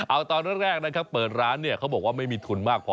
เอาตอนแรกนะครับเปิดร้านเนี่ยเขาบอกว่าไม่มีทุนมากพอ